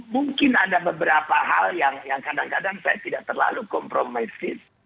mungkin ada beberapa hal yang kadang kadang saya tidak terlalu kompromitif